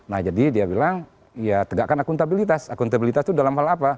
nah jadi dia bilang ya tegakkan akuntabilitas akuntabilitas itu dalam hal apa